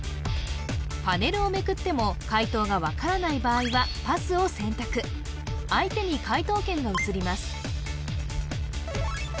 パネルをめくっても解答が分からない場合はパスを選択相手に解答権が移ります